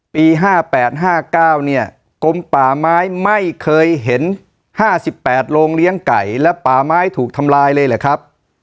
ปี๒๕๕๙กลมป่าม้ายไม่เคยเห็นห้าสิบแปดโรงเลี้ยงไก่และป่าไม้ถูกทำลายเลยล่ะครับ